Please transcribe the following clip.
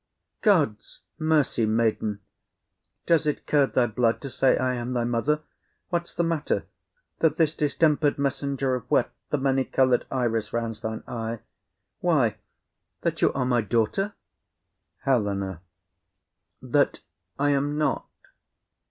God's mercy, maiden! does it curd thy blood To say I am thy mother? What's the matter, That this distempered messenger of wet, The many colour'd Iris, rounds thine eye? —Why, that you are my daughter? HELENA. That I am not.